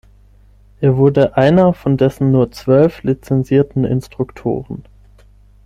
Er wurde einer von dessen nur zwölf lizenzierten Instruktoren.